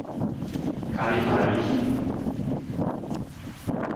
Kann ich mal riechen?